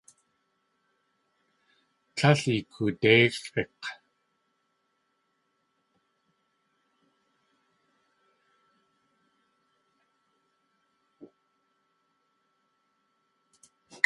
Líl ikoodéixʼik̲!